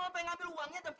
kalau sama orang arab